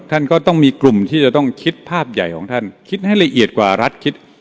ท่านก็ต้องมีกลุ่มที่จะต้องคิดภาพใหญ่ของท่านคิดให้ละเอียดกว่ารัฐคิด